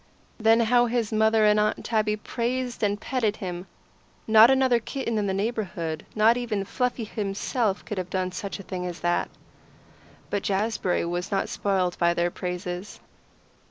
Then how his mother and Aunt Tabby praised and petted him! Not another kitten in the neighbourhood, not even Fluffy himself, could have done such a thing as that. But Jazbury was not spoiled by their praises.